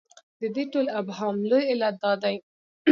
د دې ټول ابهام لوی علت دا دی.